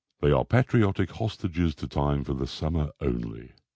They are patriotic hostages to Time for the summer only.